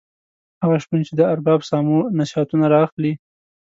هغه شپون چې د ارباب سامو نصیحتونه را اخلي.